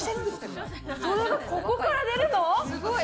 それが、ここから出るの？